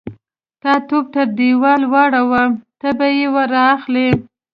_تا توپ تر دېوال واړاوه، ته به يې را اخلې.